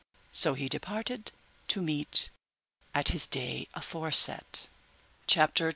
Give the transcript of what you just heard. So he departed to meet at his day aforeset. CHAPTER XXVI.